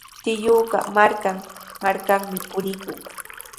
Tiyuuqa markan-markanmi purikun.